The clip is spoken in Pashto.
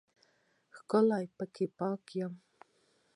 ښکلی په پاکۍ یمه